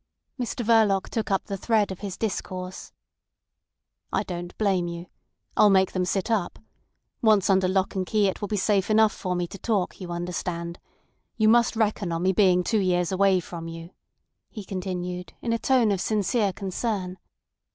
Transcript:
Mr Verloc took up the thread of his discourse. "I don't blame you. I'll make them sit up. Once under lock and key it will be safe enough for me to talk—you understand. You must reckon on me being two years away from you," he continued, in a tone of sincere concern.